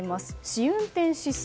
試運転指数。